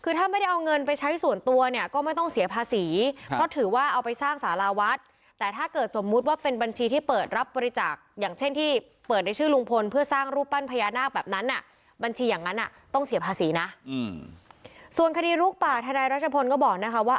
อย่างนั้นต้องเสียภาษีนะส่วนคดีลูกป่าธนายรัชพลก็บอกนะคะว่า